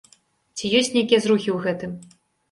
Ці ёсць нейкія зрухі ў гэтым?